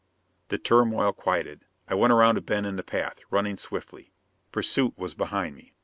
The turmoil quieted. I went around a bend in the path, running swiftly. Pursuit was behind me.